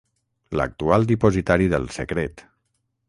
L'actual dipositari del secret.